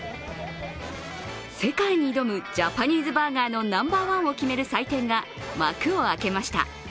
世界に挑むジャパニーズバーガーのナンバーワンを決める祭典が幕を開けました。